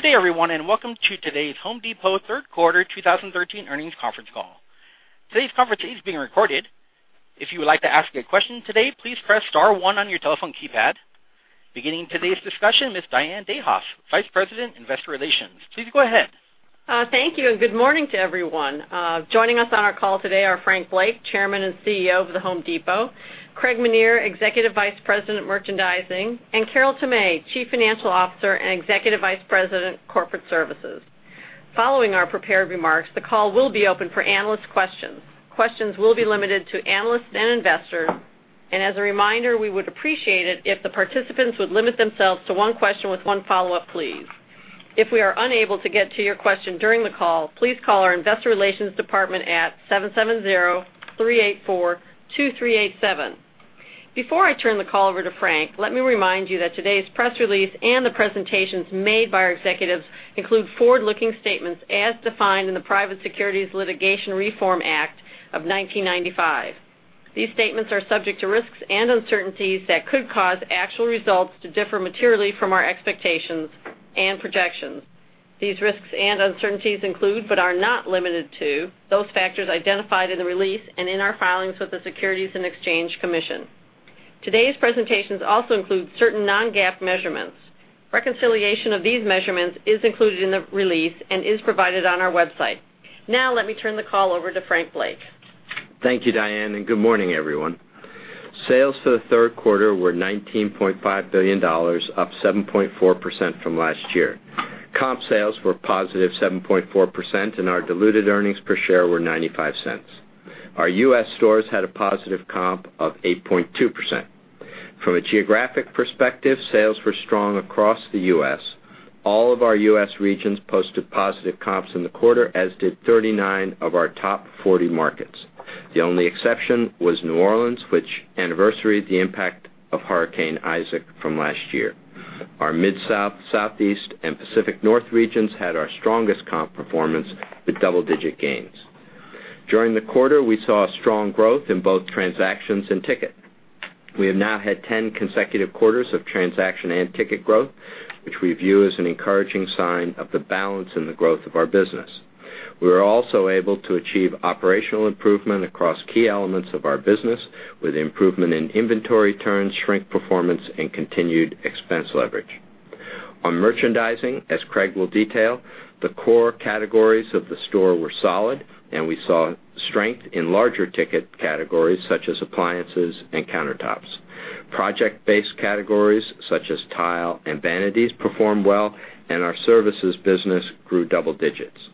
Good day, everyone, and welcome to today's The Home Depot third quarter 2013 earnings conference call. Today's conference is being recorded. If you would like to ask a question today, please press star one on your telephone keypad. Beginning today's discussion, Ms. Diane Dayhoff, Vice President, Investor Relations. Please go ahead. Thank you. Good morning to everyone. Joining us on our call today are Frank Blake, Chairman and CEO of The Home Depot, Craig Menear, Executive Vice President, Merchandising, and Carol Tomé, Chief Financial Officer and Executive Vice President, Corporate Services. Following our prepared remarks, the call will be open for analyst questions. Questions will be limited to analysts and investors. As a reminder, we would appreciate it if the participants would limit themselves to one question with one follow-up, please. If we are unable to get to your question during the call, please call our investor relations department at 770-384-2387. Before I turn the call over to Frank, let me remind you that today's press release and the presentations made by our executives include forward-looking statements as defined in the Private Securities Litigation Reform Act of 1995. These statements are subject to risks and uncertainties that could cause actual results to differ materially from our expectations and projections. These risks and uncertainties include, but are not limited to, those factors identified in the release and in our filings with the Securities and Exchange Commission. Today's presentations also include certain non-GAAP measurements. Reconciliation of these measurements is included in the release and is provided on our website. Let me turn the call over to Frank Blake. Thank you, Diane. Good morning, everyone. Sales for the third quarter were $19.5 billion, up 7.4% from last year. Comp sales were positive 7.4%, and our diluted earnings per share were $0.95. Our U.S. stores had a positive comp of 8.2%. From a geographic perspective, sales were strong across the U.S. All of our U.S. regions posted positive comps in the quarter, as did 39 of our top 40 markets. The only exception was New Orleans, which anniversaried the impact of Hurricane Isaac from last year. Our Mid South, Southeast, and Pacific North regions had our strongest comp performance with double-digit gains. During the quarter, we saw a strong growth in both transactions and ticket. We have now had 10 consecutive quarters of transaction and ticket growth, which we view as an encouraging sign of the balance in the growth of our business. We were also able to achieve operational improvement across key elements of our business, with improvement in inventory turns, shrink performance, and continued expense leverage. On merchandising, as Craig will detail, the core categories of the store were solid, and we saw strength in larger ticket categories such as appliances and countertops. Project-based categories such as tile and vanities performed well, and our services business grew double digits.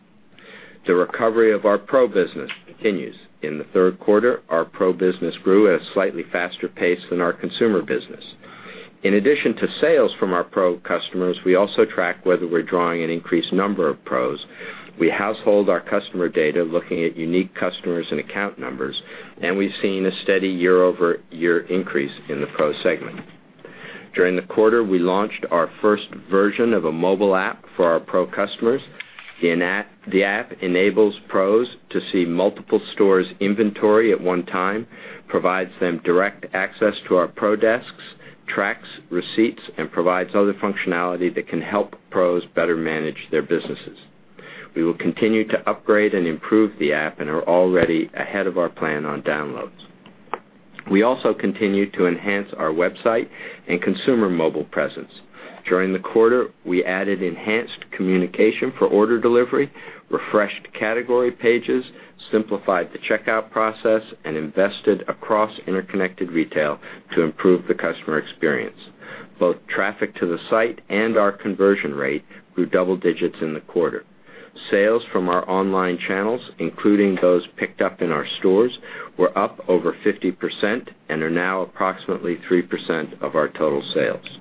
The recovery of our pro business continues. In the third quarter, our pro business grew at a slightly faster pace than our consumer business. In addition to sales from our pro customers, we also track whether we're drawing an increased number of pros. We household our customer data looking at unique customers and account numbers, and we've seen a steady year-over-year increase in the pro segment. During the quarter, we launched our first version of a mobile app for our pro customers. The app enables pros to see multiple stores' inventory at one time, provides them direct access to our pro desks, tracks receipts, and provides other functionality that can help pros better manage their businesses. We will continue to upgrade and improve the app and are already ahead of our plan on downloads. We also continue to enhance our website and consumer mobile presence. During the quarter, we added enhanced communication for order delivery, refreshed category pages, simplified the checkout process, and invested across interconnected retail to improve the customer experience. Both traffic to the site and our conversion rate grew double digits in the quarter. Sales from our online channels, including those picked up in our stores, were up over 50% and are now approximately 3% of our total sales.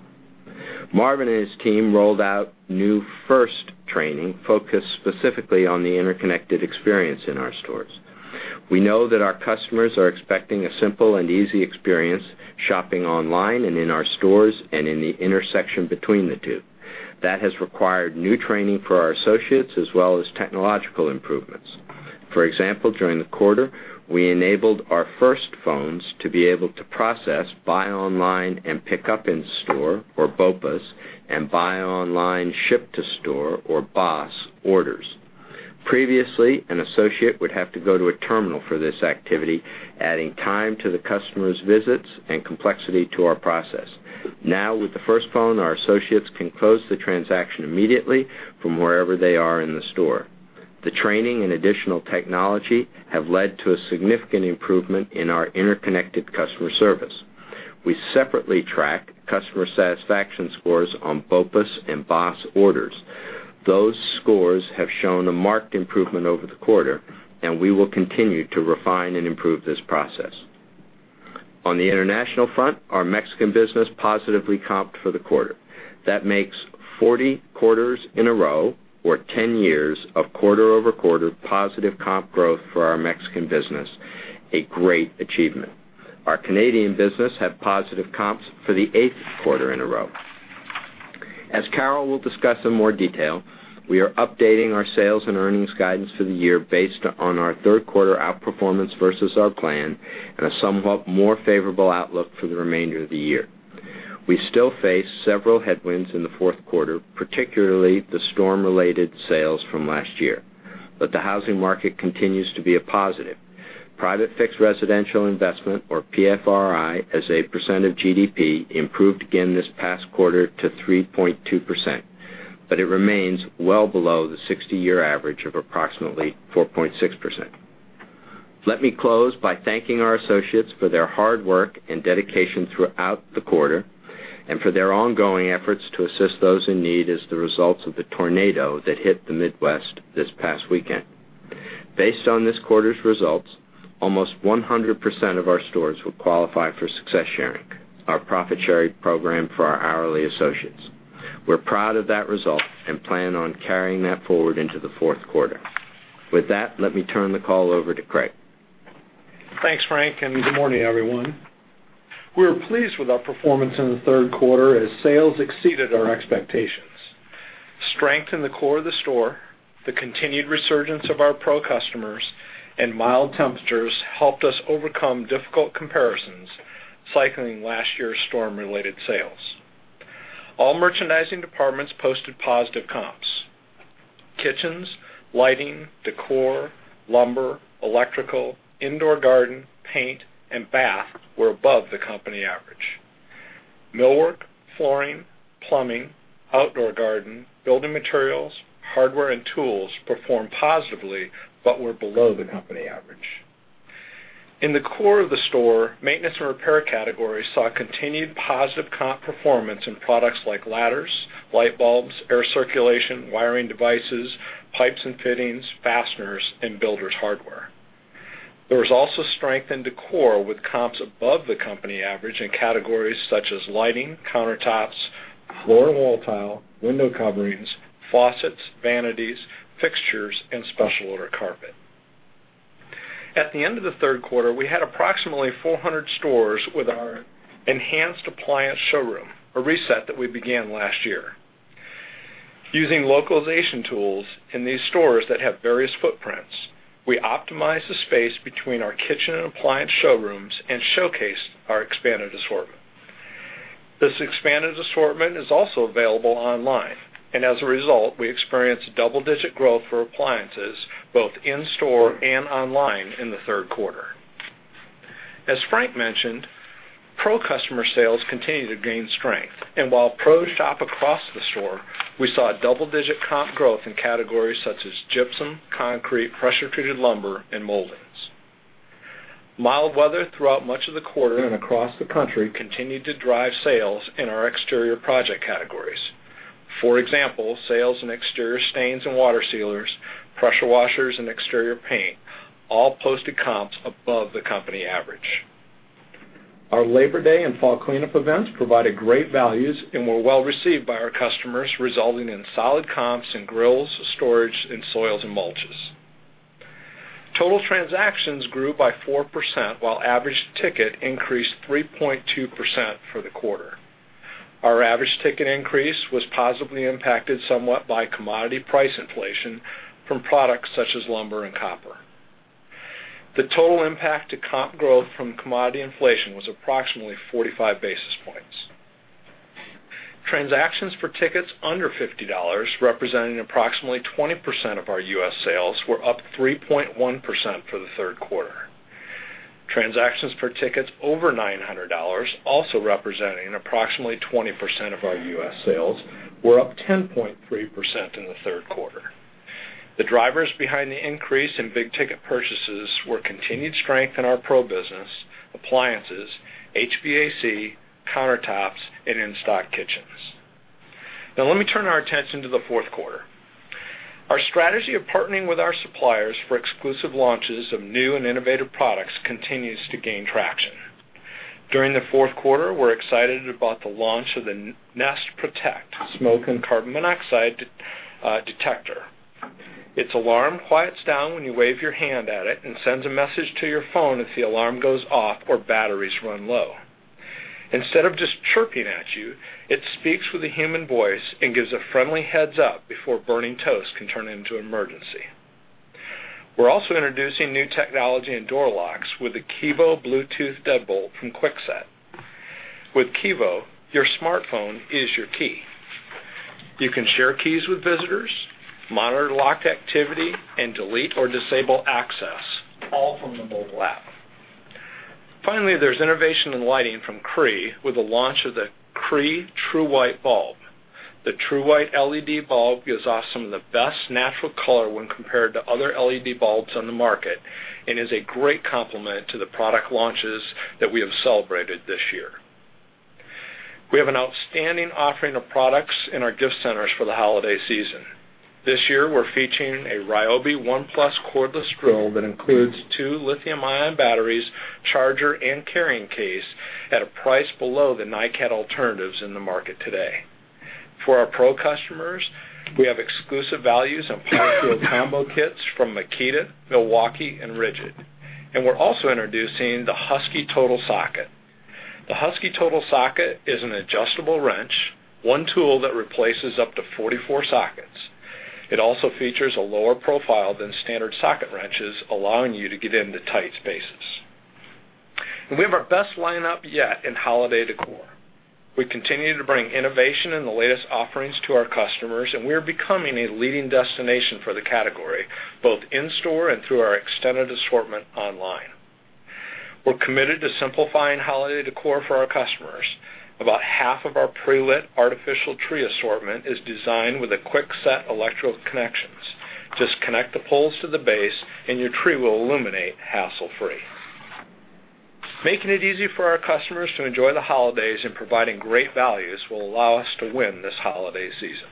Marvin and his team rolled out new first training focused specifically on the interconnected experience in our stores. We know that our customers are expecting a simple and easy experience shopping online and in our stores and in the intersection between the two. That has required new training for our associates, as well as technological improvements. For example, during the quarter, we enabled our first phones to be able to process buy online and pickup in store, or BOPUS, and buy online, ship to store, or BOSS orders. Previously, an associate would have to go to a terminal for this activity, adding time to the customer's visits and complexity to our process. Now, with the first phone, our associates can close the transaction immediately from wherever they are in the store. The training and additional technology have led to a significant improvement in our interconnected customer service. We separately track customer satisfaction scores on BOPUS and BOSS orders. Those scores have shown a marked improvement over the quarter. We will continue to refine and improve this process. On the international front, our Mexican business positively comped for the quarter. That makes 40 quarters in a row, or 10 years, of quarter-over-quarter positive comp growth for our Mexican business, a great achievement. Our Canadian business had positive comps for the eighth quarter in a row. We are updating our sales and earnings guidance for the year based on our third quarter outperformance versus our plan and a somewhat more favorable outlook for the remainder of the year. We still face several headwinds in the fourth quarter, particularly the storm-related sales from last year. The housing market continues to be a positive. Private fixed residential investment, or PFRI, as a percent of GDP, improved again this past quarter to 3.2%, but it remains well below the 60-year average of approximately 4.6%. Let me close by thanking our associates for their hard work and dedication throughout the quarter and for their ongoing efforts to assist those in need as the results of the tornado that hit the Midwest this past weekend. Based on this quarter's results, almost 100% of our stores will qualify for success sharing, our profit-sharing program for our hourly associates. We're proud of that result and plan on carrying that forward into the fourth quarter. With that, let me turn the call over to Craig. Thanks, Frank, and good morning, everyone. We're pleased with our performance in the third quarter as sales exceeded our expectations. Strength in the core of the store, the continued resurgence of our pro customers, and mild temperatures helped us overcome difficult comparisons, cycling last year's storm-related sales. All merchandising departments posted positive comps. Kitchens, lighting, decor, lumber, electrical, indoor garden, paint, and bath were above the company average. Millwork, flooring, plumbing, outdoor garden, building materials, hardware, and tools performed positively but were below the company average. In the core of the store, maintenance and repair categories saw continued positive comp performance in products like ladders, light bulbs, air circulation, wiring devices, pipes and fittings, fasteners, and builder's hardware. There was also strength in decor with comps above the company average in categories such as lighting, countertops, floor and wall tile, window coverings, faucets, vanities, fixtures, and special order carpet. At the end of the third quarter, we had approximately 400 stores with our enhanced appliance showroom, a reset that we began last year. Using localization tools in these stores that have various footprints, we optimized the space between our kitchen and appliance showrooms and showcased our expanded assortment. This expanded assortment is also available online. As a result, we experienced double-digit growth for appliances both in-store and online in the third quarter. As Frank mentioned, pro customer sales continue to gain strength. While pros shop across the store, we saw a double-digit comp growth in categories such as gypsum, concrete, pressure-treated lumber, and moldings. Mild weather throughout much of the quarter and across the country continued to drive sales in our exterior project categories. For example, sales in exterior stains and water sealers, pressure washers, and exterior paint all posted comps above the company average. Our Labor Day and fall cleanup events provided great values and were well-received by our customers, resulting in solid comps and grills, storage, and soils and mulches. Total transactions grew by 4% while average ticket increased 3.2% for the quarter. Our average ticket increase was positively impacted somewhat by commodity price inflation from products such as lumber and copper. The total impact to comp growth from commodity inflation was approximately 45 basis points. Transactions for tickets under $50, representing approximately 20% of our U.S. sales, were up 3.1% for the third quarter. Transactions for tickets over $900, also representing approximately 20% of our U.S. sales, were up 10.3% in the third quarter. The drivers behind the increase in big-ticket purchases were continued strength in our pro business, appliances, HVAC, countertops, and in-stock kitchens. Now let me turn our attention to the fourth quarter. Our strategy of partnering with our suppliers for exclusive launches of new and innovative products continues to gain traction. During the fourth quarter, we're excited about the launch of the Nest Protect smoke and carbon monoxide detector. Its alarm quiets down when you wave your hand at it and sends a message to your phone if the alarm goes off or batteries run low. Instead of just chirping at you, it speaks with a human voice and gives a friendly heads-up before burning toast can turn into an emergency. We're also introducing new technology in door locks with the Kevo Bluetooth deadbolt from Kwikset. With Kevo, your smartphone is your key. You can share keys with visitors, monitor lock activity, and delete or disable access, all from the mobile app. Finally, there's innovation in lighting from Cree with the launch of the Cree TrueWhite bulb. The TrueWhite LED bulb gives off some of the best natural color when compared to other LED bulbs on the market and is a great complement to the product launches that we have celebrated this year. We have an outstanding offering of products in our gift centers for the holiday season. This year, we're featuring a Ryobi One+ cordless drill that includes two lithium-ion batteries, charger, and carrying case at a price below the NiCad alternatives in the market today. For our pro customers, we have exclusive values on power tool combo kits from Makita, Milwaukee, and Ridgid. We're also introducing the Husky Total Socket. The Husky Total Socket is an adjustable wrench, one tool that replaces up to 44 sockets. It also features a lower profile than standard socket wrenches, allowing you to get into tight spaces. We have our best lineup yet in holiday decor. We continue to bring innovation and the latest offerings to our customers. We are becoming a leading destination for the category, both in-store and through our extended assortment online. We're committed to simplifying holiday decor for our customers. About half of our pre-lit artificial tree assortment is designed with quick-set electrical connections. Just connect the poles to the base and your tree will illuminate hassle-free. Making it easy for our customers to enjoy the holidays and providing great values will allow us to win this holiday season.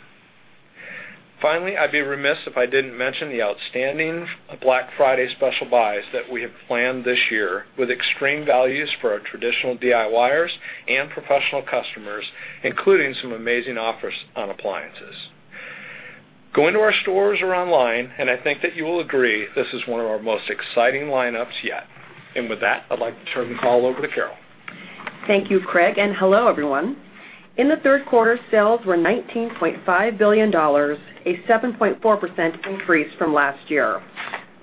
Finally, I'd be remiss if I didn't mention the outstanding Black Friday special buys that we have planned this year, with extreme values for our traditional DIYers and professional customers, including some amazing offers on appliances. Go into our stores or online. I think that you will agree, this is one of our most exciting lineups yet. With that, I'd like to turn the call over to Carol. Thank you, Craig, and hello, everyone. In the third quarter, sales were $19.5 billion, a 7.4% increase from last year.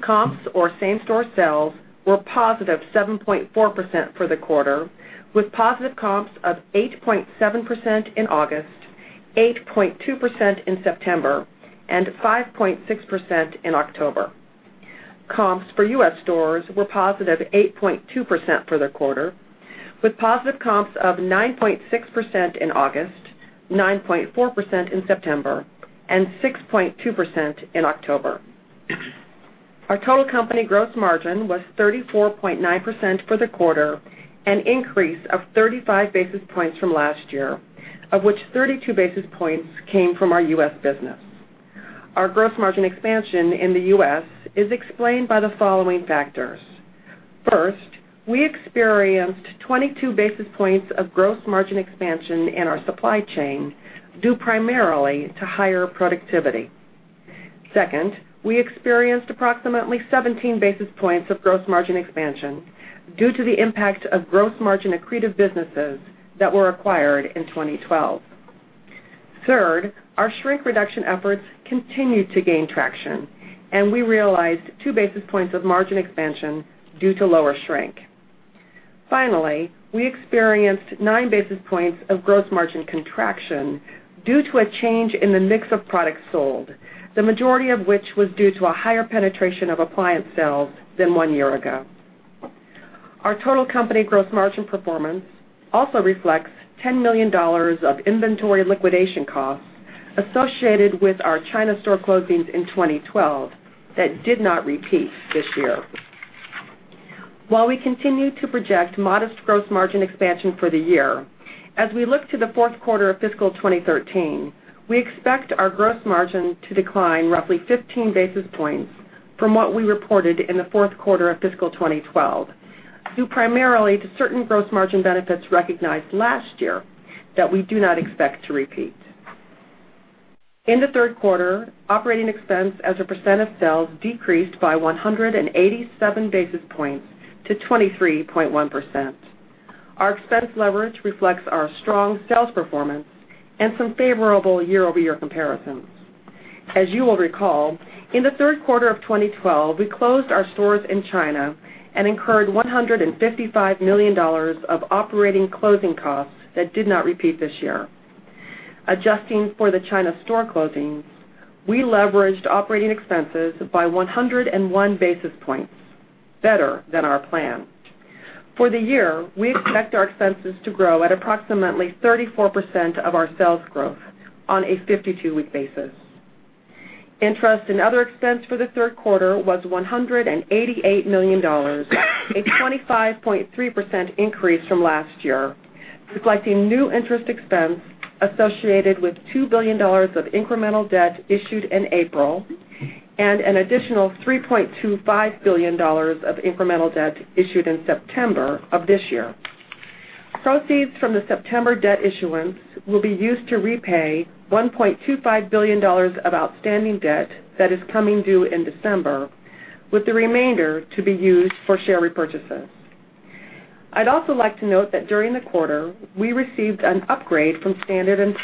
Comps or same-store sales were positive 7.4% for the quarter, with positive comps of 8.7% in August, 8.2% in September, and 5.6% in October. Comps for U.S. stores were positive 8.2% for the quarter, with positive comps of 9.6% in August, 9.4% in September, and 6.2% in October. Our total company gross margin was 34.9% for the quarter, an increase of 35 basis points from last year, of which 32 basis points came from our U.S. business. Our gross margin expansion in the U.S. is explained by the following factors. First, we experienced 22 basis points of gross margin expansion in our supply chain, due primarily to higher productivity. Second, we experienced approximately 17 basis points of gross margin expansion due to the impact of gross margin accretive businesses that were acquired in 2012. Third, our shrink reduction efforts continued to gain traction, and we realized two basis points of margin expansion due to lower shrink. Finally, we experienced nine basis points of gross margin contraction due to a change in the mix of products sold, the majority of which was due to a higher penetration of appliance sales than one year ago. Our total company gross margin performance also reflects $10 million of inventory liquidation costs associated with our China store closings in 2012 that did not repeat this year. While we continue to project modest gross margin expansion for the year, as we look to the fourth quarter of fiscal 2013, we expect our gross margin to decline roughly 15 basis points from what we reported in the fourth quarter of fiscal 2012, due primarily to certain gross margin benefits recognized last year that we do not expect to repeat. In the third quarter, operating expense as a percent of sales decreased by 187 basis points to 23.1%. Our expense leverage reflects our strong sales performance and some favorable year-over-year comparisons. As you will recall, in the third quarter of 2012, we closed our stores in China and incurred $155 million of operating closing costs that did not repeat this year. Adjusting for the China store closings, we leveraged operating expenses by 101 basis points, better than our plan. For the year, we expect our expenses to grow at approximately 34% of our sales growth on a 52-week basis. Interest and other expense for the third quarter was $188 million, a 25.3% increase from last year, reflecting new interest expense associated with $2 billion of incremental debt issued in April and an additional $3.25 billion of incremental debt issued in September of this year. Proceeds from the September debt issuance will be used to repay $1.25 billion of outstanding debt that is coming due in December, with the remainder to be used for share repurchases. I'd also like to note that during the quarter, we received an upgrade from Standard & Poor's,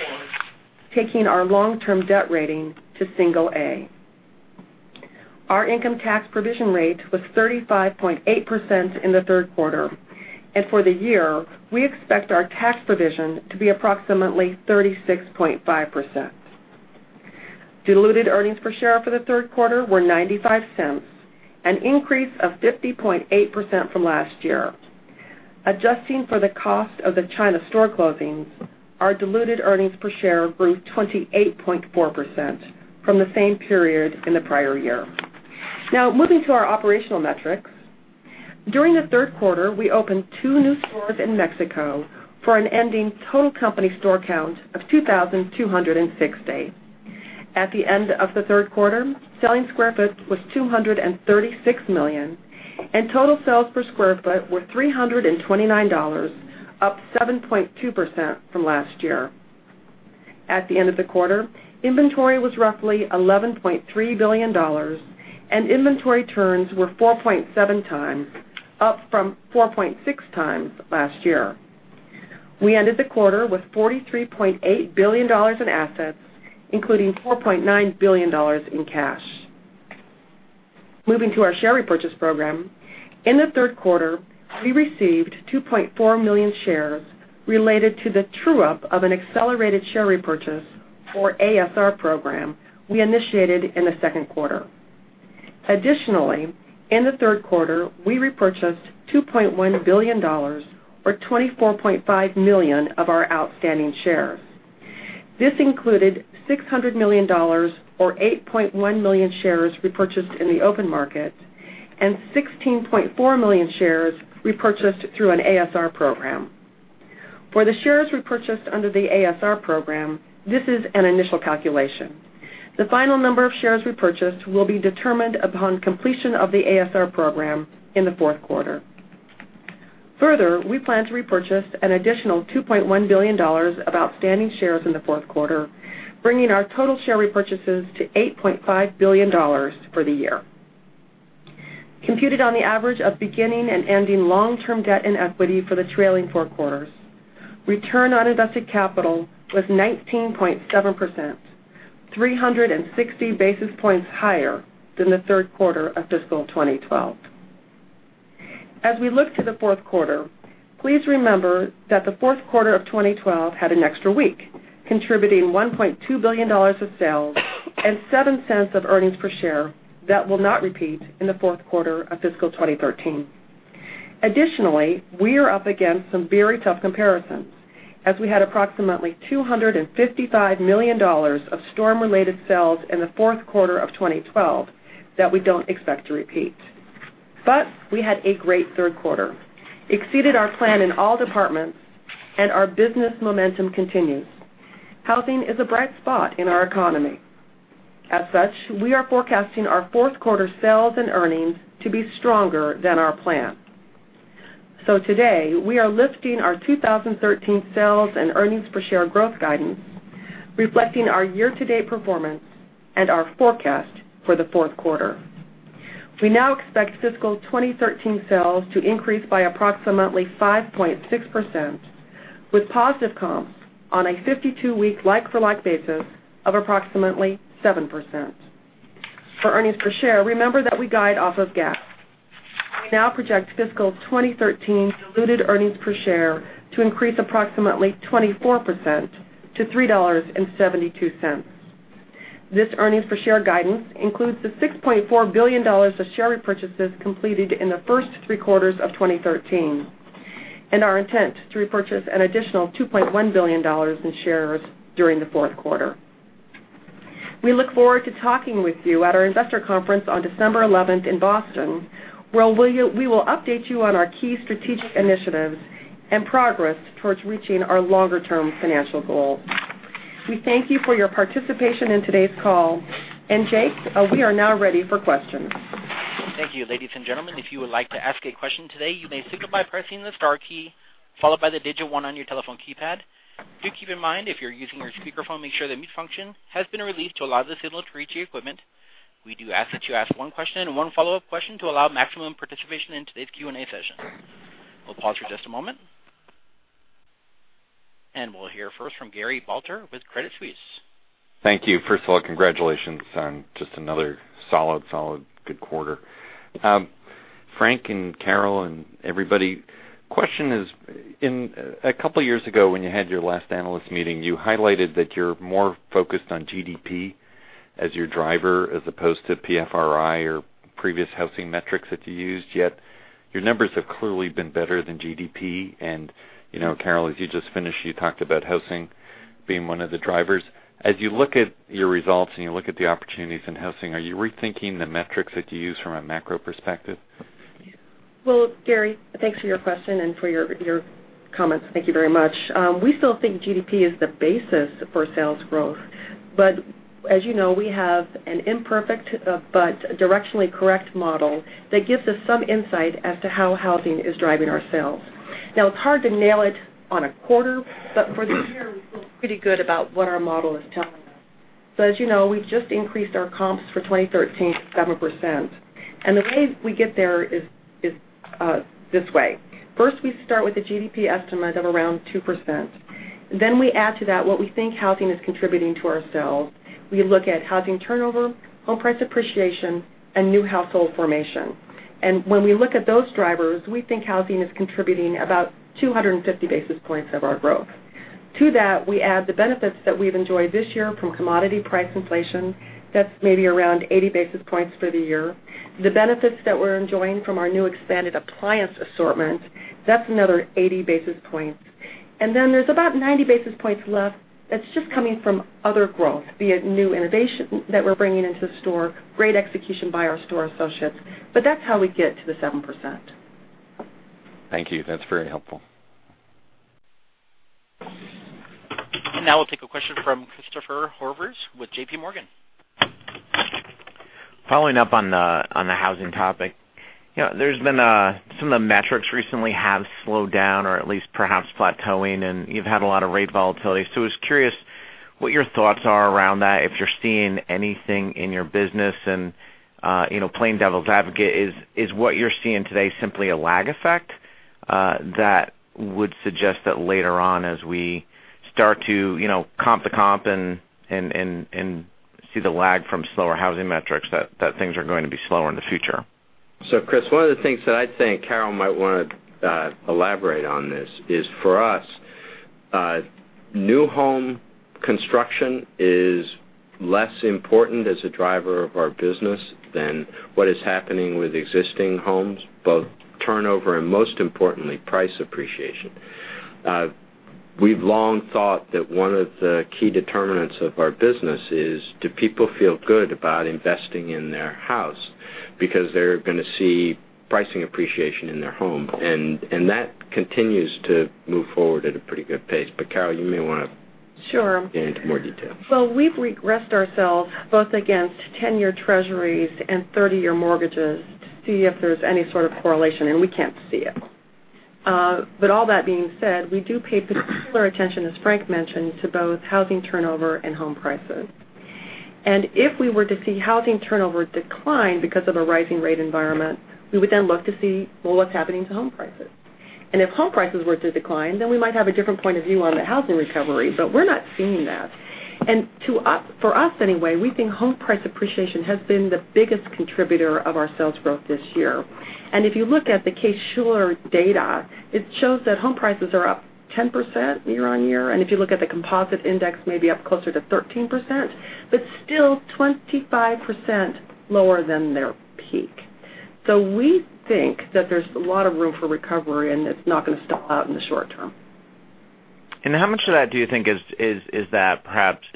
taking our long-term debt rating to single A. Our income tax provision rate was 35.8% in the third quarter. For the year, we expect our tax provision to be approximately 36.5%. Diluted earnings per share for the third quarter were $0.95, an increase of 50.8% from last year. Adjusting for the cost of the China store closings, our diluted earnings per share grew 28.4% from the same period in the prior year. Moving to our operational metrics. During the third quarter, we opened two new stores in Mexico for an ending total company store count of 2,268. At the end of the third quarter, selling square foot was 236 million, and total sales per square foot were $329, up 7.2% from last year. At the end of the quarter, inventory was roughly $11.3 billion, and inventory turns were 4.7 times, up from 4.6 times last year. We ended the quarter with $43.8 billion in assets, including $4.9 billion in cash. Moving to our share repurchase program, in the third quarter, we received 2.4 million shares related to the true-up of an accelerated share repurchase or ASR program we initiated in the second quarter. In the third quarter, we repurchased $2.1 billion or 24.5 million of our outstanding shares. This included $600 million or 8.1 million shares repurchased in the open market and 16.4 million shares repurchased through an ASR program. For the shares repurchased under the ASR program, this is an initial calculation. The final number of shares repurchased will be determined upon completion of the ASR program in the fourth quarter. We plan to repurchase an additional $2.1 billion of outstanding shares in the fourth quarter, bringing our total share repurchases to $8.5 billion for the year. Computed on the average of beginning and ending long-term debt and equity for the trailing four quarters, return on invested capital was 19.7%, 360 basis points higher than the third quarter of fiscal 2012. We look to the fourth quarter, please remember that the fourth quarter of 2012 had an extra week, contributing $1.2 billion of sales and $0.07 of earnings per share that will not repeat in the fourth quarter of fiscal 2013. We are up against some very tough comparisons as we had approximately $255 million of storm-related sales in the fourth quarter of 2012 that we don't expect to repeat. We had a great third quarter, exceeded our plan in all departments, and our business momentum continues. Housing is a bright spot in our economy. We are forecasting our fourth quarter sales and earnings to be stronger than our plan. Today, we are lifting our 2013 sales and earnings per share growth guidance, reflecting our year-to-date performance and our forecast for the fourth quarter. We now expect fiscal 2013 sales to increase by approximately 5.6%, with positive comps on a 52-week like-for-like basis of approximately 7%. For earnings per share, remember that we guide off of GAAP. We now project fiscal 2013 diluted earnings per share to increase approximately 24% to $3.72. This earnings per share guidance includes the $6.4 billion of share repurchases completed in the first three quarters of 2013, and our intent to repurchase an additional $2.1 billion in shares during the fourth quarter. We look forward to talking with you at our investor conference on December 11th in Boston, where we will update you on our key strategic initiatives and progress towards reaching our longer-term financial goals. We thank you for your participation in today's call. Jake, we are now ready for questions. Thank you. Ladies and gentlemen, if you would like to ask a question today, you may signal by pressing the star key followed by the digit one on your telephone keypad. Do keep in mind if you're using your speakerphone, make sure the mute function has been released to allow the signal to reach the equipment. We do ask that you ask one question and one follow-up question to allow maximum participation in today's Q&A session. We'll pause for just a moment. We'll hear first from Gary Balter with Credit Suisse. Thank you. First of all, congratulations on just another solid, good quarter. Frank and Carol and everybody, question is, a couple of years ago when you had your last analyst meeting, you highlighted that you're more focused on GDP as your driver as opposed to PFRI or previous housing metrics that you used, yet your numbers have clearly been better than GDP. Carol, as you just finished, you talked about housing being one of the drivers. As you look at your results and you look at the opportunities in housing, are you rethinking the metrics that you use from a macro perspective? Well, Gary, thanks for your question and for your comments. Thank you very much. We still think GDP is the basis for sales growth. As you know, we have an imperfect but directionally correct model that gives us some insight as to how housing is driving our sales. Now, it's hard to nail it on a quarter, but for the year, we feel pretty good about what our model is telling us. As you know, we've just increased our comps for 2013 to 7%. The way we get there is this way. First, we start with the GDP estimate of around 2%. We add to that what we think housing is contributing to our sales. We look at housing turnover, home price appreciation, and new household formation. When we look at those drivers, we think housing is contributing about 250 basis points of our growth. To that, we add the benefits that we've enjoyed this year from commodity price inflation. That's maybe around 80 basis points for the year. The benefits that we're enjoying from our new expanded appliance assortment, that's another 80 basis points. Then there's about 90 basis points left that's just coming from other growth, be it new innovation that we're bringing into the store, great execution by our store associates. That's how we get to the 7%. Thank you. That's very helpful. Now we'll take a question from Christopher Horvers with JPMorgan. Following up on the housing topic. There's been some of the metrics recently have slowed down or at least perhaps plateauing, and you've had a lot of rate volatility. I was curious what your thoughts are around that, if you're seeing anything in your business and, playing devil's advocate, is what you're seeing today simply a lag effect that would suggest that later on, as we start to comp to comp and see the lag from slower housing metrics, that things are going to be slower in the future? Chris, one of the things that I think Carol might want to elaborate on this is for us, new home construction is less important as a driver of our business than what is happening with existing homes, both turnover and most importantly, price appreciation. We've long thought that one of the key determinants of our business is, do people feel good about investing in their house because they're going to see pricing appreciation in their home? That continues to move forward at a pretty good pace. Carol, you may want to. Sure Get into more detail. Well, we've regressed ourselves both against 10-year Treasuries and 30-year mortgages to see if there's any sort of correlation, and we can't see it. All that being said, we do pay particular attention, as Frank mentioned, to both housing turnover and home prices. If we were to see housing turnover decline because of a rising rate environment, we would look to see, well, what's happening to home prices. If home prices were to decline, we might have a different point of view on the housing recovery. We're not seeing that. For us anyway, we think home price appreciation has been the biggest contributor of our sales growth this year. If you look at the Case-Shiller data, it shows that home prices are up 10% year-over-year. If you look at the composite index, maybe up closer to 13%, but still 25% lower than their peak. We think that there's a lot of room for recovery, and it's not going to stop out in the short term. How much of that do you think is the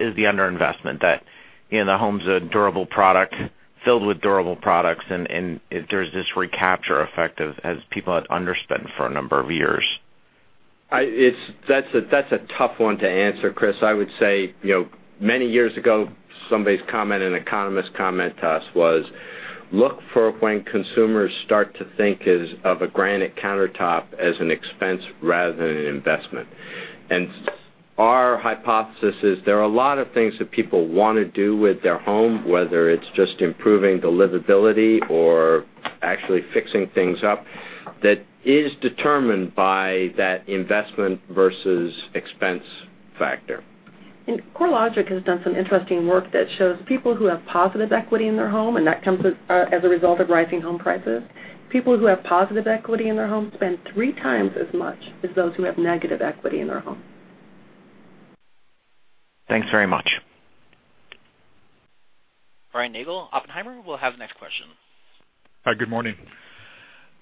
underinvestment? The home's a durable product filled with durable products, and there's this recapture effect as people have underspent for a number of years. That's a tough one to answer, Chris. I would say, many years ago, somebody's comment, an economist comment to us was, "Look for when consumers start to think of a granite countertop as an expense rather than an investment." Our hypothesis is there are a lot of things that people want to do with their home, whether it's just improving the livability or actually fixing things up, that is determined by that investment versus expense factor. CoreLogic has done some interesting work that shows people who have positive equity in their home, and that comes as a result of rising home prices. People who have positive equity in their home spend three times as much as those who have negative equity in their home. Thanks very much. Brian Nagel, Oppenheimer, will have the next question. Hi, good morning.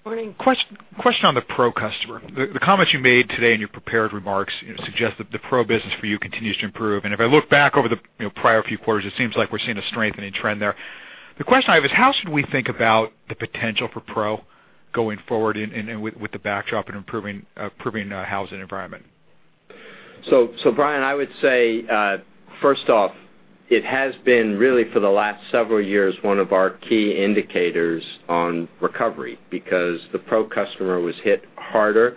Question on the pro customer. The comments you made today in your prepared remarks suggest that the pro business for you continues to improve. If I look back over the prior few quarters, it seems like we're seeing a strengthening trend there. The question I have is how should we think about the potential for pro going forward and with the backdrop in improving housing environment? Brian, I would say, first off, it has been really for the last several years, one of our key indicators on recovery, because the pro customer was hit harder,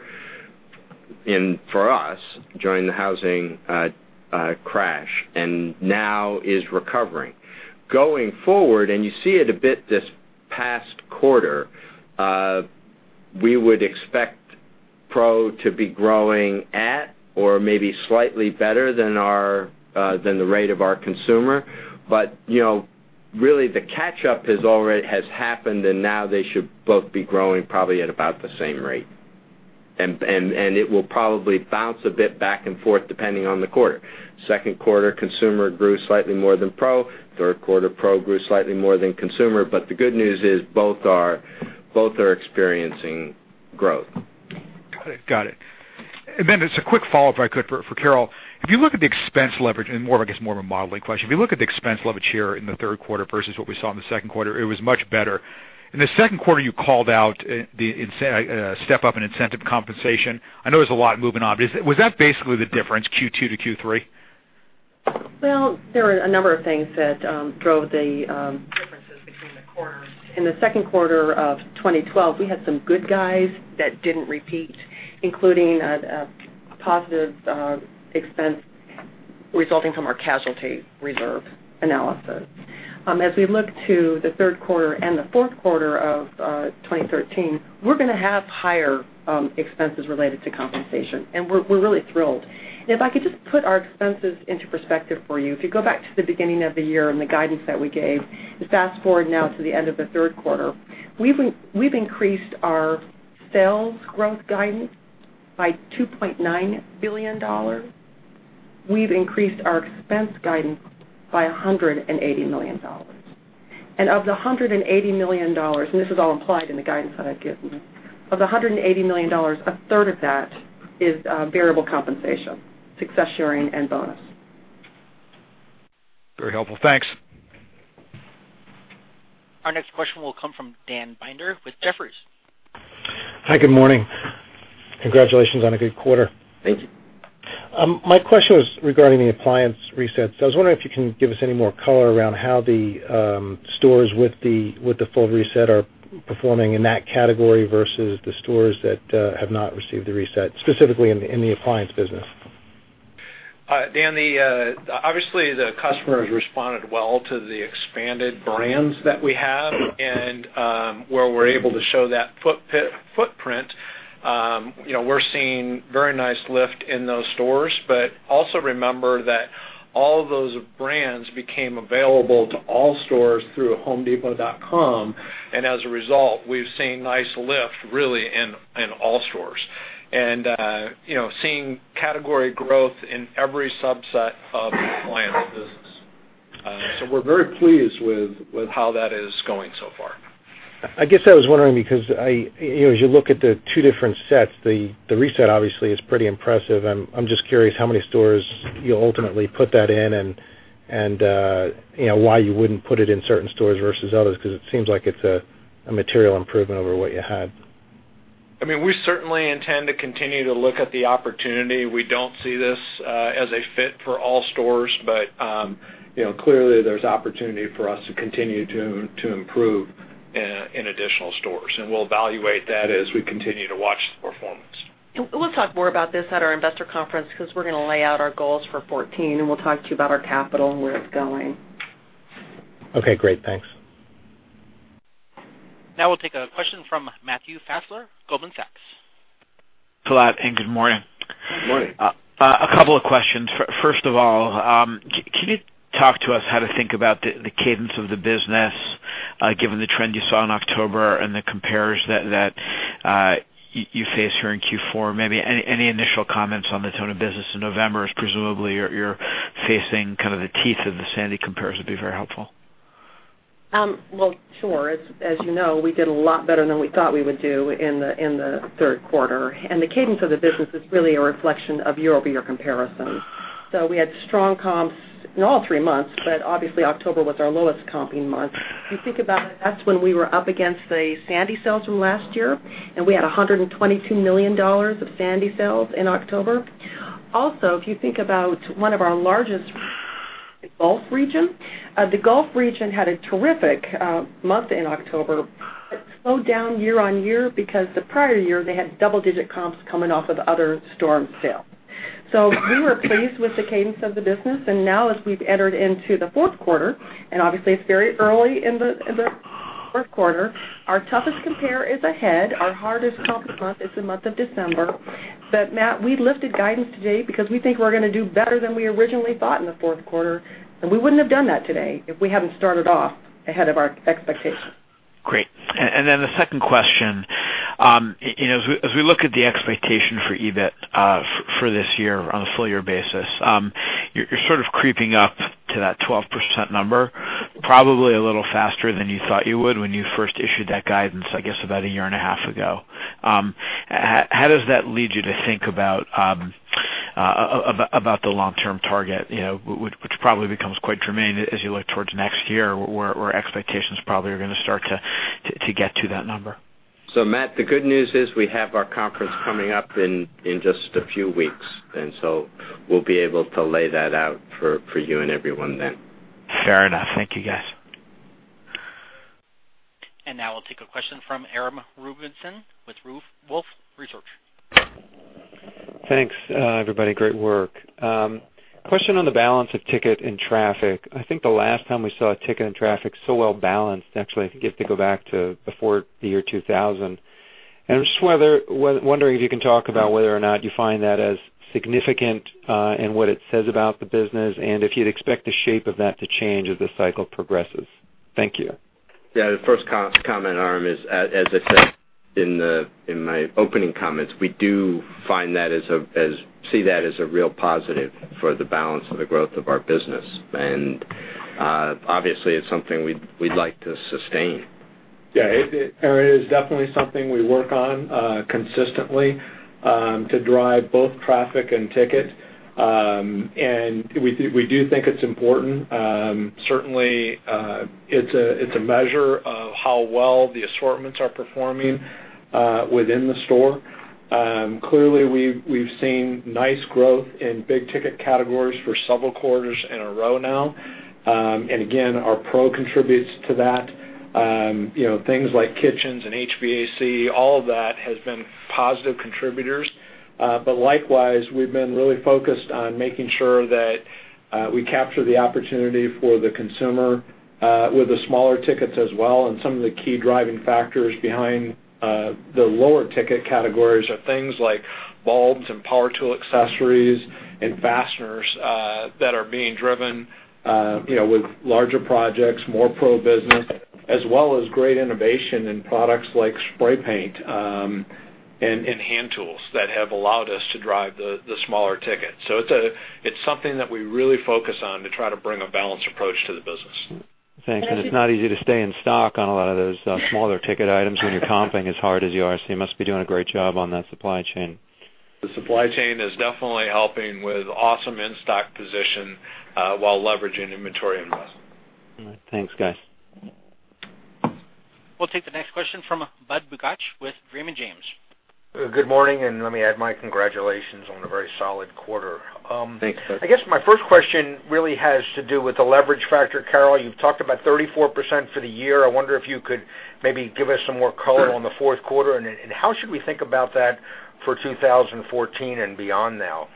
for us, during the housing crash, and now is recovering. Going forward, you see it a bit this past quarter, we would expect pro to be growing at or maybe slightly better than the rate of our consumer. Really the catch up has happened, and now they should both be growing probably at about the same rate. It will probably bounce a bit back and forth, depending on the quarter. Second quarter consumer grew slightly more than pro. Third quarter pro grew slightly more than consumer. The good news is both are experiencing growth. Got it. Just a quick follow-up, if I could, for Carol. If you look at the expense leverage, and I guess more of a modeling question. If you look at the expense leverage here in the third quarter versus what we saw in the second quarter, it was much better. In the second quarter, you called out the step up in incentive compensation. I know there's a lot moving on, but was that basically the difference, Q2 to Q3? There are a number of things that drove the differences between the quarters. In the second quarter of 2012, we had some good guys that didn't repeat, including a positive expense resulting from our casualty reserve analysis. As we look to the third quarter and the fourth quarter of 2013, we're going to have higher expenses related to compensation, and we're really thrilled. If I could just put our expenses into perspective for you. If you go back to the beginning of the year and the guidance that we gave, fast-forward now to the end of the third quarter, we've increased our sales growth guidance by $2.9 billion. We've increased our expense guidance by $180 million. Of the $180 million, this is all implied in the guidance that I've given you. Of the $180 million, a third of that is variable compensation, success sharing, and bonus. Very helpful. Thanks. Our next question will come from Dan Binder with Jefferies. Hi, good morning. Congratulations on a good quarter. Thank you. My question was regarding the appliance resets. I was wondering if you can give us any more color around how the stores with the full reset are performing in that category versus the stores that have not received the reset, specifically in the appliance business. Dan, obviously, the customers responded well to the expanded brands that we have and where we're able to show that footprint. We're seeing very nice lift in those stores, but also remember that all those brands became available to all stores through homedepot.com, and as a result, we've seen nice lift really in all stores. Seeing category growth in every subset of the appliance business. We're very pleased with how that is going so far. I guess I was wondering because as you look at the two different sets, the reset obviously is pretty impressive, and I'm just curious how many stores you'll ultimately put that in and why you wouldn't put it in certain stores versus others, because it seems like it's a material improvement over what you had. We certainly intend to continue to look at the opportunity. We don't see this as a fit for all stores, but clearly, there's opportunity for us to continue to improve in additional stores, and we'll evaluate that as we continue to watch the performance. We'll talk more about this at our investor conference because we're going to lay out our goals for 2014, and we'll talk to you about our capital and where it's going. Okay, great. Thanks. We'll take a question from Matthew Fassler, Goldman Sachs. Thanks a lot and good morning. Good morning. A couple of questions. First of all, can you talk to us how to think about the cadence of the business, given the trend you saw in October and the compares that you face here in Q4? Any initial comments on the tone of business in November as presumably you're facing the teeth of the Sandy compares would be very helpful. Well, sure. As you know, we did a lot better than we thought we would do in the third quarter, and the cadence of the business is really a reflection of year-over-year comparisons. We had strong comps in all three months, but obviously October was our lowest comping month. If you think about it, that's when we were up against the Hurricane Sandy sales from last year, and we had $122 million of Hurricane Sandy sales in October. Also, if you think about one of our largest, the Gulf region. The Gulf region had a terrific month in October. It slowed down year-on-year because the prior year, they had double-digit comps coming off of other storm sales. We were pleased with the cadence of the business, and now as we've entered into the fourth quarter, and obviously it's very early in the fourth quarter, our toughest compare is ahead. Our hardest comping month is the month of December. Matt, we lifted guidance today because we think we're going to do better than we originally thought in the fourth quarter, and we wouldn't have done that today if we hadn't started off ahead of our expectations. Great. The second question. As we look at the expectation for EBIT for this year on a full-year basis, you're sort of creeping up to that 12% number, probably a little faster than you thought you would when you first issued that guidance, I guess, about a year and a half ago. How does that lead you to think about the long-term target, which probably becomes quite germane as you look towards next year, where expectations probably are going to start to get to that number? Matt, the good news is we have our conference coming up in just a few weeks, and we'll be able to lay that out for you and everyone then. Fair enough. Thank you, guys. Now we'll take a question from Aram Rubinson with Wolfe Research. Thanks, everybody. Great work. Question on the balance of ticket and traffic. I think the last time we saw ticket and traffic so well-balanced, actually, I think you have to go back to before the year 2000. I'm just wondering if you can talk about whether or not you find that as significant in what it says about the business, and if you'd expect the shape of that to change as the cycle progresses. Thank you. Yeah. The first comment, Aram, is, as I said in my opening comments, we do see that as a real positive for the balance of the growth of our business. Obviously, it's something we'd like to sustain. Yeah, it is definitely something we work on consistently to drive both traffic and ticket. We do think it's important. Certainly, it's a measure of how well the assortments are performing within the store. Clearly, we've seen nice growth in big-ticket categories for several quarters in a row now. Again, our Pro contributes to that. Things like kitchens and HVAC, all of that has been positive contributors. Likewise, we've been really focused on making sure that we capture the opportunity for the consumer with the smaller tickets as well, and some of the key driving factors behind the lower ticket categories are things like bulbs and power tool accessories and fasteners that are being driven with larger projects, more Pro business, as well as great innovation in products like spray paint and hand tools that have allowed us to drive the smaller ticket. It's something that we really focus on to try to bring a balanced approach to the business. Thanks. It's not easy to stay in stock on a lot of those smaller ticket items when you're comping as hard as you are, you must be doing a great job on that supply chain. The supply chain is definitely helping with awesome in-stock position while leveraging inventory investment. All right. Thanks, guys. We'll take the next question from Bud Bugatch with Raymond James. Good morning, let me add my congratulations on a very solid quarter. Thanks, Bud. I guess my first question really has to do with the leverage factor. Carol, you've talked about 34% for the year. I wonder if you could maybe give us some more color. Sure On the fourth quarter, how should we think about that for 2014 and beyond now?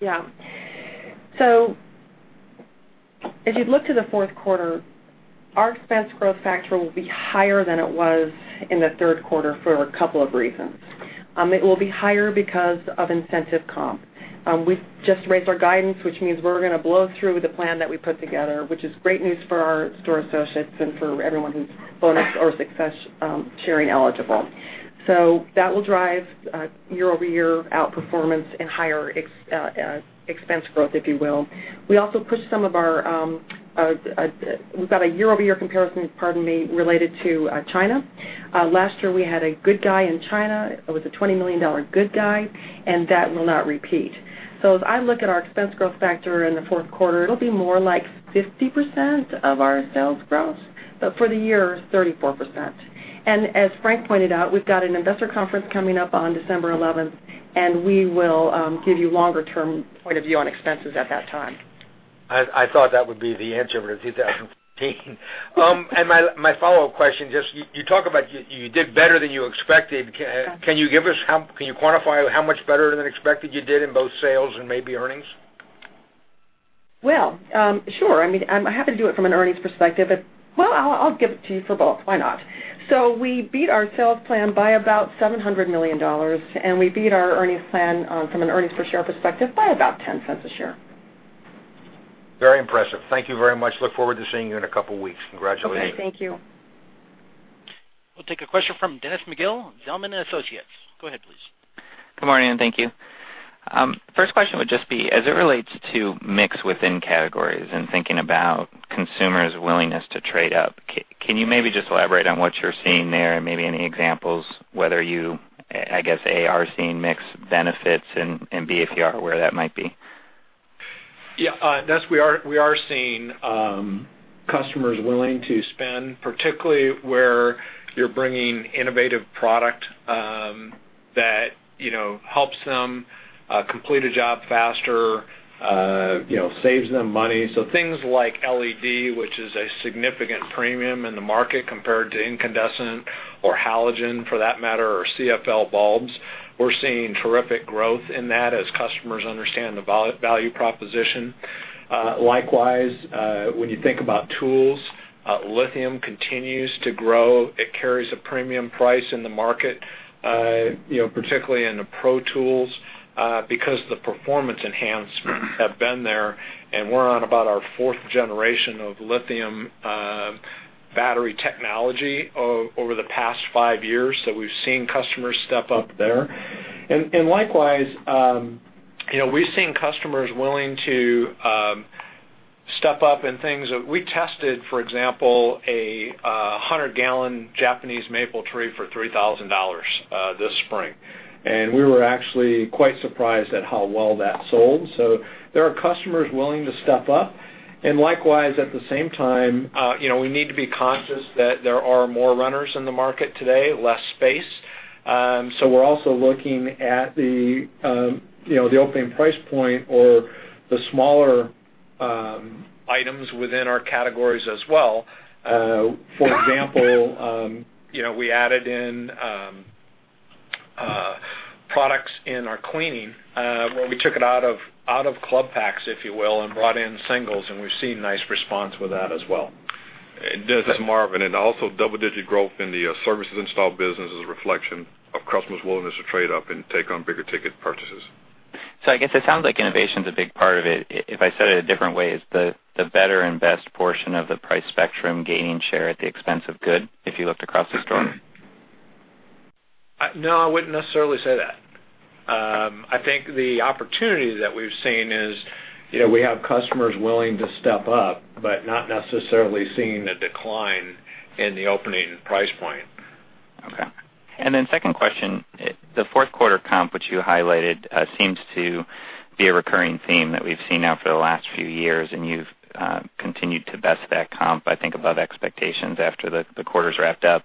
Yeah. If you look to the fourth quarter, our expense growth factor will be higher than it was in the third quarter for a couple of reasons. It will be higher because of incentive comp. We just raised our guidance, which means we're going to blow through the plan that we put together, which is great news for our store associates and for everyone who's bonus or success sharing eligible. That will drive year-over-year outperformance and higher expense growth, if you will. We've got a year-over-year comparison, pardon me, related to China. Last year, we had a good guy in China. It was a $20 million good guy, that will not repeat. As I look at our expense growth factor in the fourth quarter, it'll be more like 50% of our sales growth, but for the year, 34%. As Frank pointed out, we've got an investor conference coming up on December 11th, and we will give you longer term point of view on expenses at that time. I thought that would be the answer, it's 2015. My follow-up question, just you talk about you did better than you expected. Yes. Can you quantify how much better than expected you did in both sales and maybe earnings? Well, sure. I mean, I'm happy to do it from an earnings perspective. Well, I'll give it to you for both. Why not? We beat our sales plan by about $700 million, and we beat our earnings plan from an earnings per share perspective by about $0.10 a share. Very impressive. Thank you very much. Look forward to seeing you in a couple of weeks. Congratulations. Okay. Thank you. We'll take a question from Dennis McGill, Zelman & Associates. Go ahead, please. Good morning, and thank you. First question would just be, as it relates to mix within categories and thinking about consumers' willingness to trade up, can you maybe just elaborate on what you're seeing there and maybe any examples whether you, I guess, A, are seeing mix benefits and, B, if you are, where that might be? Yeah. Dennis, we are seeing customers willing to spend, particularly where you're bringing innovative product that helps them complete a job faster, saves them money. Things like LED, which is a significant premium in the market compared to incandescent or halogen for that matter, or CFL bulbs. We're seeing terrific growth in that as customers understand the value proposition. Likewise, when you think about tools, lithium continues to grow. It carries a premium price in the market, particularly in the pro tools because the performance enhancements have been there, and we're on about our 4th generation of lithium battery technology over the past five years, we've seen customers step up there. Likewise, we've seen customers willing to step up in things. We tested, for example, a 100-gallon Japanese maple tree for $3,000 this spring, and we were actually quite surprised at how well that sold. There are customers willing to step up. Likewise, at the same time, we need to be conscious that there are more runners in the market today, less space. We're also looking at the opening price point or the smaller items within our categories as well. For example, we added in products in our cleaning where we took it out of club packs, if you will, and brought in singles, and we've seen nice response with that as well. Dennis, it's Marvin, also double-digit growth in the services install business is a reflection of customers' willingness to trade up and take on bigger ticket purchases. I guess it sounds like innovation's a big part of it. If I said it a different way, is the better and best portion of the price spectrum gaining share at the expense of good if you looked across the store? No, I wouldn't necessarily say that. I think the opportunity that we've seen is we have customers willing to step up, but not necessarily seeing a decline in the opening price point. Okay. Then second question, the fourth quarter comp, which you highlighted seems to be a recurring theme that we've seen now for the last few years, and you've continued to best that comp, I think, above expectations after the quarter's wrapped up.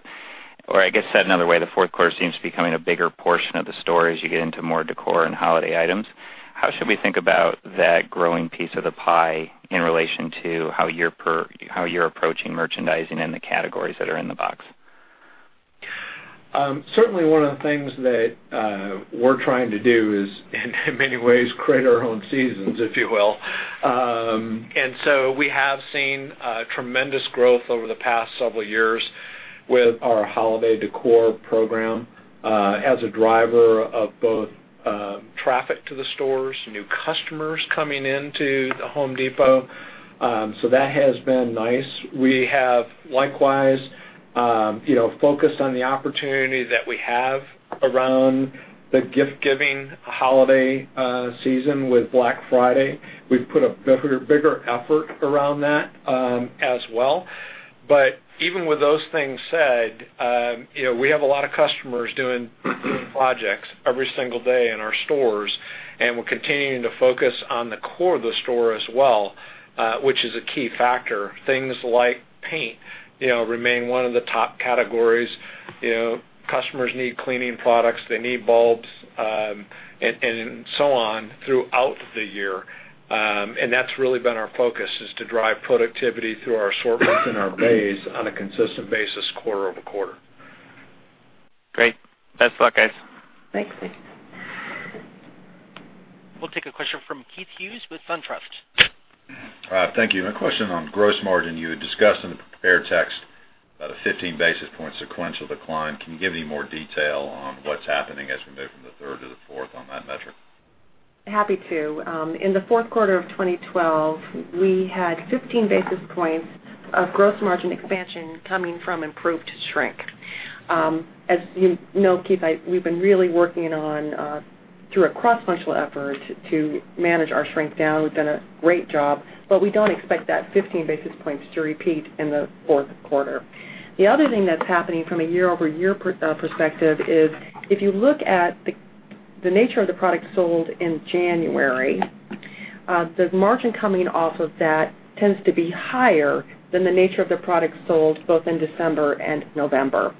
I guess said another way, the fourth quarter seems to be becoming a bigger portion of the story as you get into more decor and holiday items. How should we think about that growing piece of the pie in relation to how you're approaching merchandising and the categories that are in the box? Certainly one of the things that we're trying to do is, in many ways, create our own seasons, if you will. We have seen tremendous growth over the past several years with our holiday decor program as a driver of both traffic to the stores, new customers coming into The Home Depot. That has been nice. We have likewise focused on the opportunity that we have around the gift-giving holiday season with Black Friday. We've put a bigger effort around that as well. Even with those things said, we have a lot of customers doing projects every single day in our stores, and we're continuing to focus on the core of the store as well, which is a key factor. Things like paint remain one of the top categories. Customers need cleaning products, they need bulbs, and so on throughout the year. That's really been our focus, is to drive productivity through our assortments and our base on a consistent basis quarter-over-quarter. Great. Best of luck, guys. Thanks. We'll take a question from Keith Hughes with SunTrust. Thank you. A question on gross margin. You had discussed in the prepared text about a 15-basis point sequential decline. Can you give any more detail on what's happening as we move from the third to the fourth on that metric? Happy to. In the fourth quarter of 2012, we had 15 basis points of gross margin expansion coming from improved shrink. As you know, Keith, we've been really working on, through a cross-functional effort, to manage our shrink down. We've done a great job. We don't expect that 15 basis points to repeat in the fourth quarter. The other thing that's happening from a year-over-year perspective is if you look at the nature of the product sold in January, the margin coming off of that tends to be higher than the nature of the product sold both in December and November.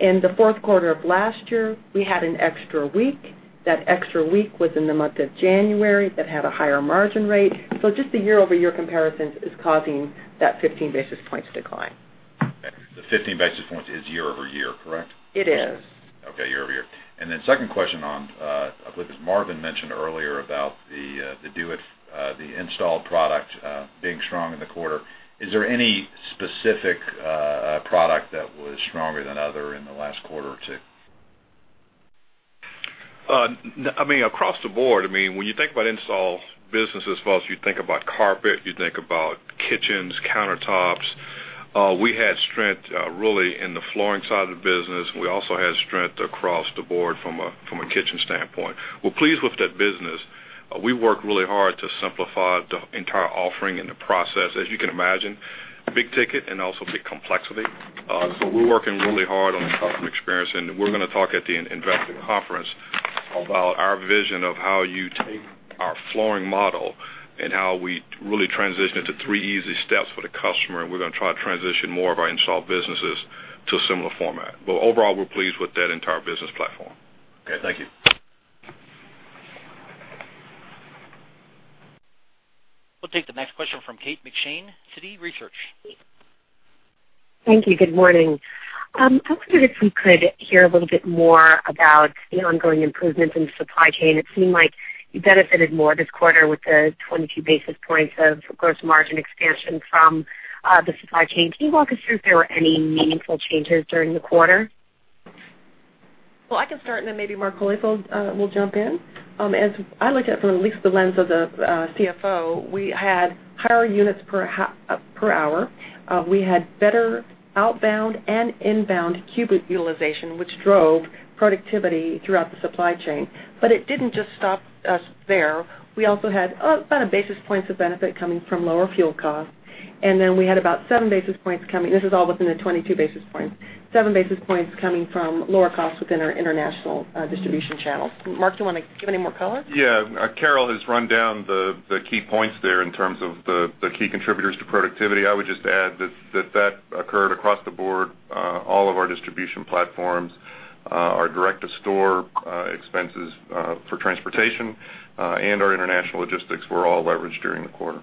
In the fourth quarter of last year, we had an extra week. That extra week was in the month of January, that had a higher margin rate. Just the year-over-year comparisons is causing that 15 basis points decline. The 15 basis points is year-over-year, correct? It is. Okay. Year-over-year. Second question on, I believe, as Marvin mentioned earlier about the install product being strong in the quarter, is there any specific product that was stronger than other in the last quarter or two? Across the board, when you think about install business as well, you think about carpet, you think about kitchens, countertops. We had strength really in the flooring side of the business. We also had strength across the board from a kitchen standpoint. We're pleased with that business. We work really hard to simplify the entire offering and the process. As you can imagine, big ticket and also big complexity. We're working really hard on the customer experience, and we're going to talk at the investor conference about our vision of how you take our flooring model and how we really transition it to three easy steps for the customer. We're going to try to transition more of our install businesses to a similar format. Overall, we're pleased with that entire business platform. Okay, thank you. We'll take the next question from Kate McShane, Citi Research. Thank you. Good morning. I wondered if we could hear a little bit more about the ongoing improvements in supply chain. It seemed like you benefited more this quarter with the 22 basis points of gross margin expansion from the supply chain. Can you walk us through if there were any meaningful changes during the quarter? Well, I can start, then maybe Mark Holifield will jump in. As I look at it from at least the lens of the CFO, we had higher units per hour. We had better outbound and inbound cubic utilization, which drove productivity throughout the supply chain. It didn't just stop us there. We also had about a basis points of benefit coming from lower fuel costs. Then we had about seven basis points coming, this is all within the 22 basis points, seven basis points coming from lower costs within our international distribution channels. Mark, do you want to give any more color? Yeah. Carol has run down the key points there in terms of the key contributors to productivity. I would just add that that occurred across the board. All of our distribution platforms, our direct-to-store expenses for transportation, and our international logistics were all leveraged during the quarter.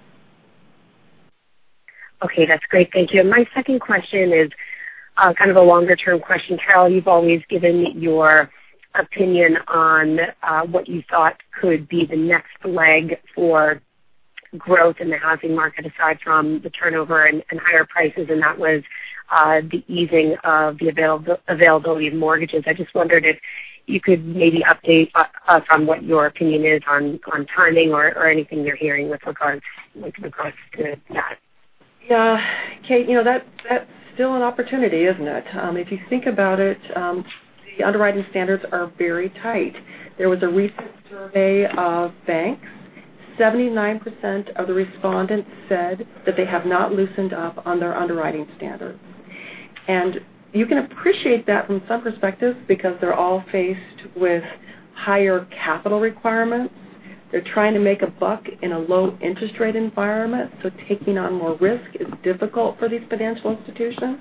Okay, that's great. Thank you. My second question is kind of a longer-term question. Carol, you've always given your opinion on what you thought could be the next leg for growth in the housing market, aside from the turnover and higher prices, and that was the easing of the availability of mortgages. I just wondered if you could maybe update us on what your opinion is on timing or anything you're hearing with regards to that. Kate, that's still an opportunity, isn't it? If you think about it, the underwriting standards are very tight. There was a recent survey of banks. 79% of the respondents said that they have not loosened up on their underwriting standards. You can appreciate that from some perspectives because they're all faced with higher capital requirements. They're trying to make a buck in a low-interest rate environment, taking on more risk is difficult for these financial institutions.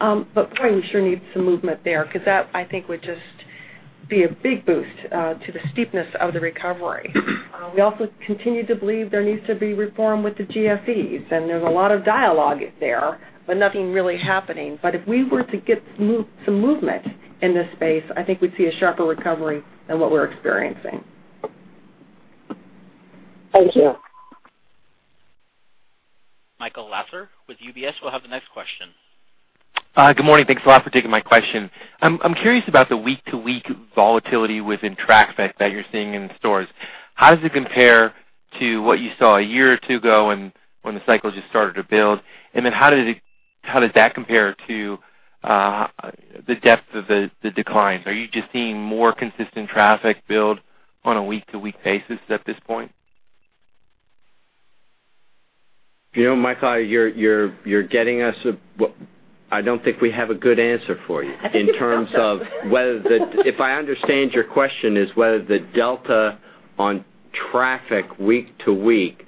Boy, we sure need some movement there because that, I think, would just be a big boost to the steepness of the recovery. We also continue to believe there needs to be reform with the GSEs, there's a lot of dialogue there, nothing really happening. If we were to get some movement in this space, I think we'd see a sharper recovery than what we're experiencing. Thank you. Michael Lasser with UBS will have the next question. Good morning. Thanks a lot for taking my question. I'm curious about the week-to-week volatility within traffic that you're seeing in the stores. How does it compare to what you saw a year or two ago when the cycle just started to build? How does that compare to the depth of the decline? Are you just seeing more consistent traffic build on a week-to-week basis at this point? Michael, I don't think we have a good answer for you. I think we don't. If I understand your question, is whether the delta on traffic week to week,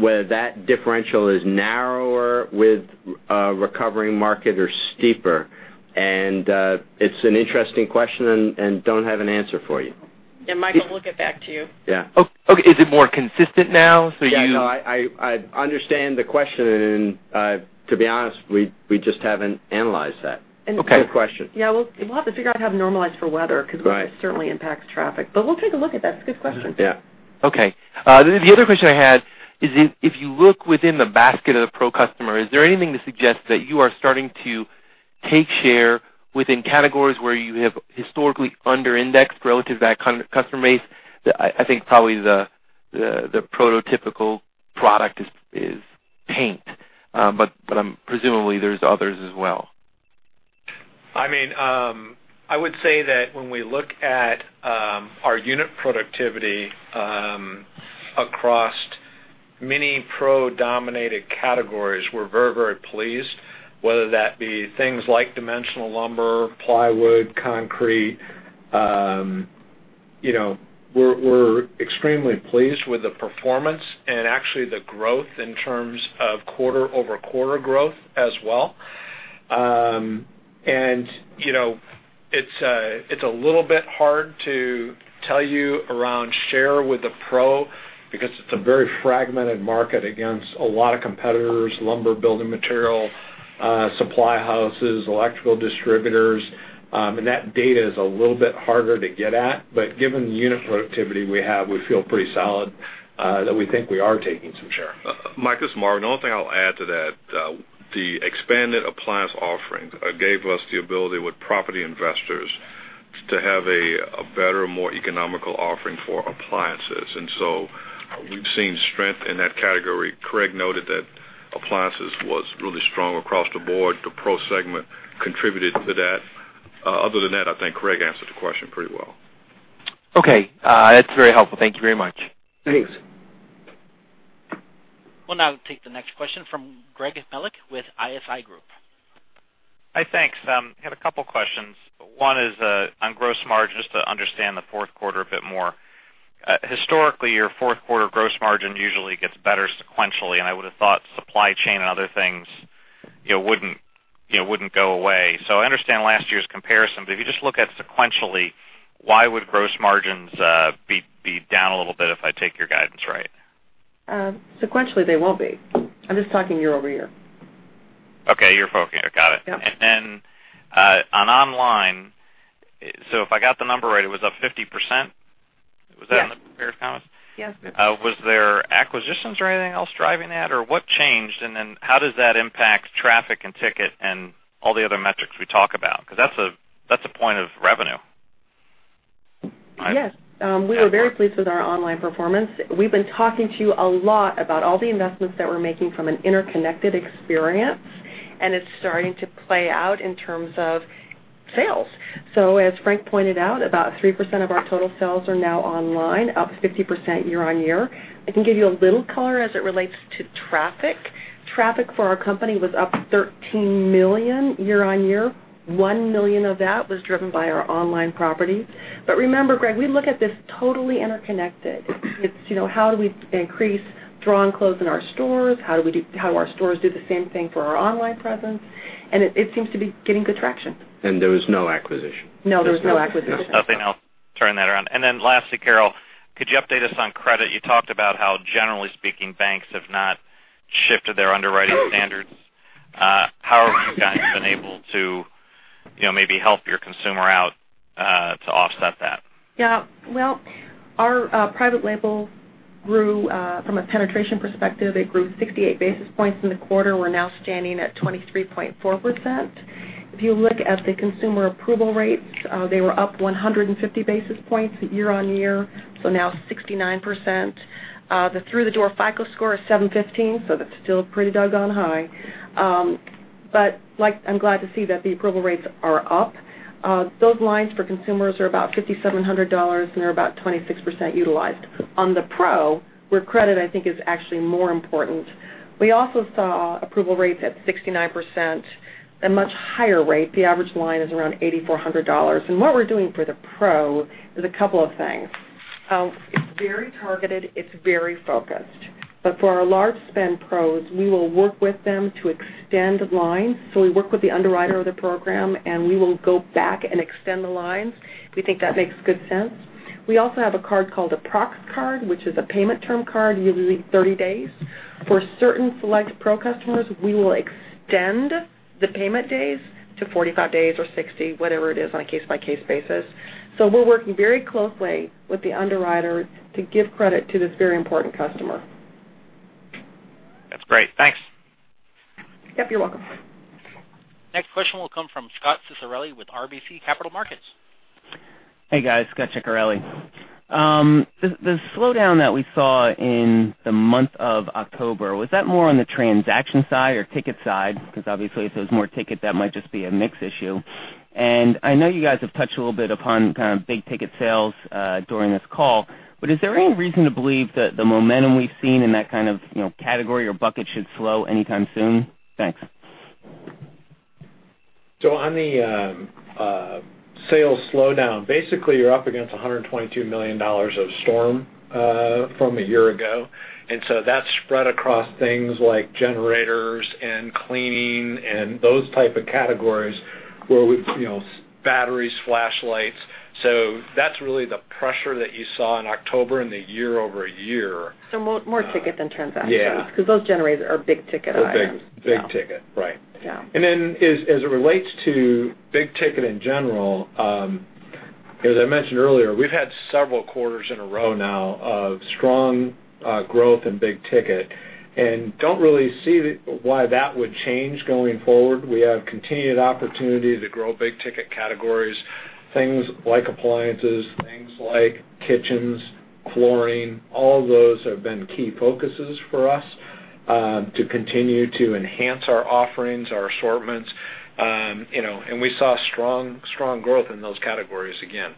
whether that differential is narrower with a recovering market or steeper. It's an interesting question, don't have an answer for you. Michael, we'll get back to you. Yeah. Okay. Is it more consistent now? Yeah, no, I understand the question, and, to be honest, we just haven't analyzed that. Okay. Good question. Yeah. We'll have to figure out how to normalize for weather. Right because weather certainly impacts traffic. We'll take a look at that. It's a good question. Yeah. Okay. The other question I had is if you look within the basket of the pro customer, is there anything to suggest that you are starting to take share within categories where you have historically under-indexed relative to that customer base? I think probably the prototypical product is paint. Presumably, there's others as well. I would say that when we look at our unit productivity across many pro-dominated categories, we're very, very pleased, whether that be things like dimensional lumber, plywood, concrete. We're extremely pleased with the performance and actually the growth in terms of quarter-over-quarter growth as well. It's a little bit hard to tell you around share with the pro because it's a very fragmented market against a lot of competitors, lumber, building material, supply houses, electrical distributors. That data is a little bit harder to get at, but given the unit productivity we have, we feel pretty solid, that we think we are taking some share. Mike, this is Marvin. The only thing I'll add to that, the expanded appliance offerings gave us the ability with property investors to have a better, more economical offering for appliances. So we've seen strength in that category. Craig noted that appliances was really strong across the board. The pro segment contributed to that. Other than that, I think Craig answered the question pretty well. Okay. That's very helpful. Thank you very much. Thanks. We'll now take the next question from Greg Melich with ISI Group. Hi, thanks. I have a couple questions. One is on gross margin, just to understand the fourth quarter a bit more. Historically, your fourth quarter gross margin usually gets better sequentially. I would have thought supply chain and other things wouldn't go away. I understand last year's comparison, but if you just look at sequentially, why would gross margins be down a little bit if I take your guidance right? Sequentially, they won't be. I'm just talking year-over-year. Okay. Year-over-year. Got it. Yeah. On online, if I got the number right, it was up 50%? Yes. Was that on the prepared comments? Yes. Was there acquisitions or anything else driving that? What changed, how does that impact traffic and ticket and all the other metrics we talk about? Because that's a point of revenue. Yes. We were very pleased with our online performance. We've been talking to you a lot about all the investments that we're making from an interconnected experience. It's starting to play out in terms of sales. As Frank pointed out, about 3% of our total sales are now online, up 50% year-over-year. I can give you a little color as it relates to traffic. Traffic for our company was up 13 million year-over-year. 1 million of that was driven by our online property. Remember, Greg, we look at this totally interconnected. It's how do we increase draw and close in our stores? How our stores do the same thing for our online presence. It seems to be getting good traction. There was no acquisition. No, there was no acquisition. There was no. Lastly, Carol, could you update us on credit? You talked about how, generally speaking, banks have not shifted their underwriting standards. How have you guys been able to maybe help your consumer out, to offset that? Well, our private label grew from a penetration perspective. It grew 68 basis points in the quarter. We're now standing at 23.4%. If you look at the consumer approval rates, they were up 150 basis points year-on-year, so now 69%. The through-the-door FICO score is 715, so that's still pretty doggone high. I'm glad to see that the approval rates are up. Those lines for consumers are about $5,700, and they're about 26% utilized. On the pro, where credit, I think, is actually more important, we also saw approval rates at 69%, a much higher rate. The average line is around $8,400. What we're doing for the pro is a couple of things. It's very targeted, it's very focused. For our large spend pros, we will work with them to extend lines. We work with the underwriter of the program, we will go back and extend the lines. We think that makes good sense. We also have a card called a ProXtra card, which is a payment term card, usually 30 days. For certain select pro customers, we will extend the payment days to 45 days or 60, whatever it is, on a case-by-case basis. We're working very closely with the underwriter to give credit to this very important customer. That's great. Thanks. Yep, you're welcome. Next question will come from Scot Ciccarelli with RBC Capital Markets. Hey, guys. Scot Ciccarelli. The slowdown that we saw in the month of October, was that more on the transaction side or ticket side? Obviously, if it was more ticket, that might just be a mix issue. I know you guys have touched a little bit upon big ticket sales during this call, but is there any reason to believe that the momentum we've seen in that kind of category or bucket should slow anytime soon? Thanks. On the sales slowdown, basically you're up against $122 million of storm from a year ago. That's spread across things like generators and cleaning and those type of categories where batteries, flashlights. That's really the pressure that you saw in October in the year-over-year. More ticket than transactions. Yeah. Because those generators are big ticket items. They're big ticket, right. Yeah. As it relates to big ticket in general, as I mentioned earlier, we've had several quarters in a row now of strong growth in big ticket and don't really see why that would change going forward. We have continued opportunity to grow big ticket categories, things like appliances, things like kitchens, flooring. All of those have been key focuses for us to continue to enhance our offerings, our assortments. We saw strong growth in those categories again.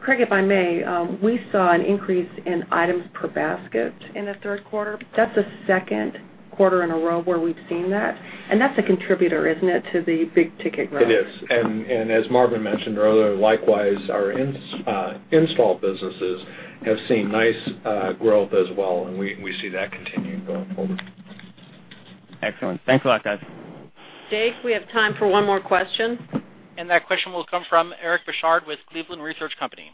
Craig, if I may, we saw an increase in items per basket in the third quarter. That's the second quarter in a row where we've seen that, and that's a contributor, isn't it, to the big ticket growth? It is. As Marvin mentioned earlier, likewise, our install businesses have seen nice growth as well, and we see that continuing going forward. Excellent. Thanks a lot, guys. Jake, we have time for one more question. That question will come from Eric Bosshard with Cleveland Research Company.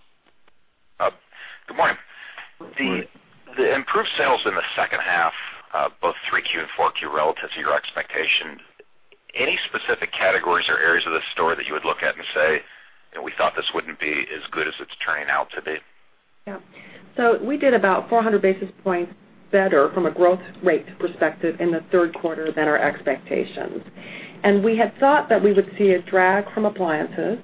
Good morning. Good morning. The improved sales in the second half of both Q3 and Q4 relative to your expectation, any specific categories or areas of the store that you would look at and say, "We thought this wouldn't be as good as it's turning out to be"? Yeah. We did about 400 basis points better from a growth rate perspective in the third quarter than our expectations. We had thought that we would see a drag from appliances.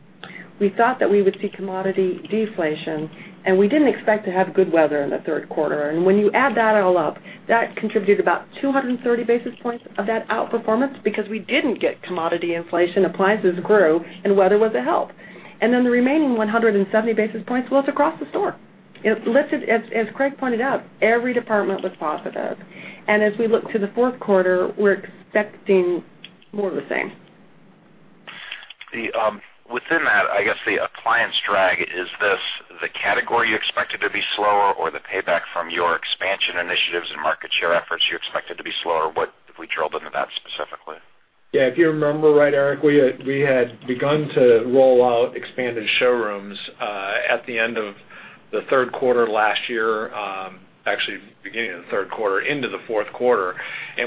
We thought that we would see commodity deflation, and we didn't expect to have good weather in the third quarter. When you add that all up, that contributed about 230 basis points of that outperformance because we didn't get commodity inflation, appliances grew, and weather was a help. The remaining 170 basis points was across the store. As Craig pointed out, every department was positive. As we look to the fourth quarter, we're expecting more of the same. Within that, I guess the appliance drag, is this the category you expected to be slower, or the payback from your expansion initiatives and market share efforts you expected to be slower? What if we drilled into that specifically? Yeah. If you remember right, Eric, we had begun to roll out expanded showrooms at the end of the third quarter last year, actually beginning of the third quarter into the fourth quarter.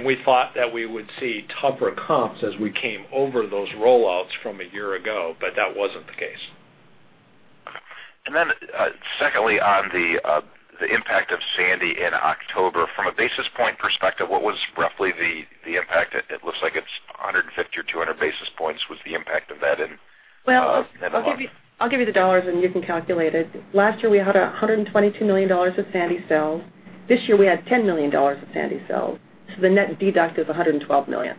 We thought that we would see tougher comps as we came over those rollouts from a year ago, that wasn't the case. Secondly, on the impact of Sandy in October, from a basis point perspective, what was roughly the impact? It looks like it's 150 or 200 basis points was the impact of that. Well, I'll give you the dollars, and you can calculate it. Last year, we had $122 million of Sandy sales. This year, we had $10 million of Sandy sales. The net deduct is $112 million.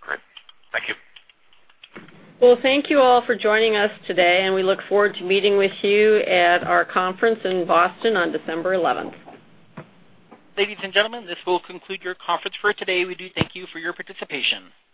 Great. Thank you. Well, thank you all for joining us today, and we look forward to meeting with you at our conference in Boston on December 11th. Ladies and gentlemen, this will conclude your conference for today. We do thank you for your participation.